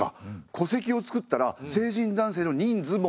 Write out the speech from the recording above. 戸籍をつくったら成人男性の人数もわかる。